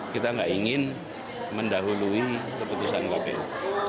kita nggak ingin mendahului keputusan kpu